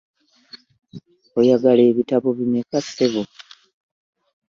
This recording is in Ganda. Oyagala ebitabo bimeka ssebo?